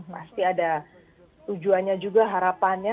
pasti ada tujuannya juga harapannya